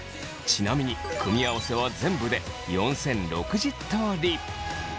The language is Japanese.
ちなみに組み合わせは全部で４，０６０通り。